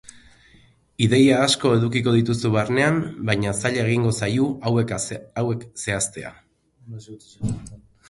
Ideia asko edukiko dituzu barnean vaina zaila egingo zaiu hauek zehaztea.